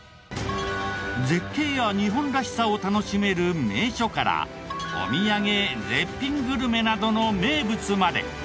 絶景や日本らしさを楽しめる名所からお土産絶品グルメなどの名物まで。